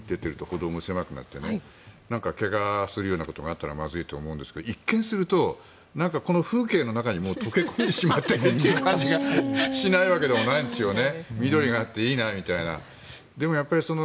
これは歩道にこういうふうに出てると歩道も狭くなって怪我をするようなことがあったらまずいと思うんですが一見するとこの風景の中に溶け込んでしまっているという感じがしないでもないんですよね。